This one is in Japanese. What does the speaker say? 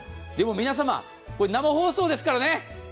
でも皆様、これ生放送ですからね。